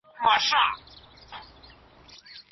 هغه خورا با سليقه او با درکه شخص دی.